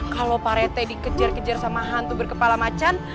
kalau pak rt dikejar kejar sama hantu berkepala macan